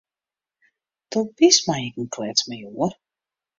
Do bist my ek in kletsmajoar.